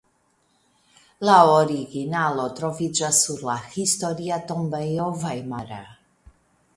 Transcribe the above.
La originalo troviĝas sur la Historia tombejo vajmara.